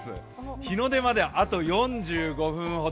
日の出まであと４５分ほど。